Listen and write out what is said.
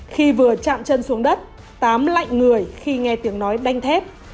khi vừa chạm chân xuống đất tám lạnh người khi nghe tiếng nói đánh thép